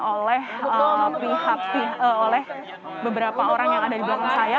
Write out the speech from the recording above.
oleh beberapa orang yang ada di belakang saya